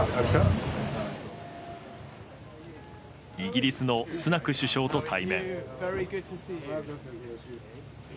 イギリスのスナク首相と対面。